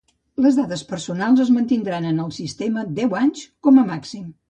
Les dades personals es mantindran en el sistema deu anys, com a màxim.